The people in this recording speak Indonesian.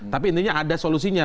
tapi intinya ada solusinya